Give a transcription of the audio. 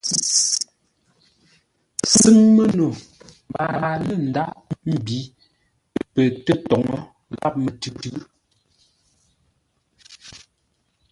Sʉ́ŋ məno mbaa lə̂ ndághʼ mbǐ pətə́toŋə́ ghámətʉ̌.